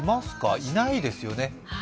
いないですよね。